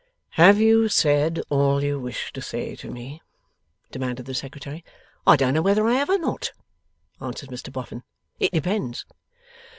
'Have you said all you wish to say to me?' demanded the Secretary. 'I don't know whether I have or not,' answered Mr Boffin. 'It depends.